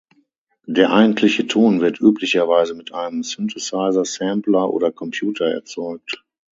Der eigentliche Ton wird üblicherweise mit einem Synthesizer, Sampler oder Computer erzeugt.